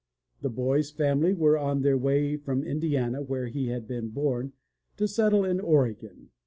The boy's family were on their way from Indiana where he had been bom, to settle in Oregon.